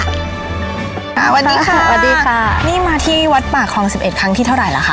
สวัสดีค่ะวันนี้มาที่วัดป่าคลอง๑๑ขนาดที่เท่าไหร่ละค่ะ